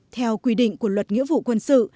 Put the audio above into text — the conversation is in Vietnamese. theo quy định của luật nghĩa vụ quân sự